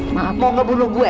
mau gak bunuh gue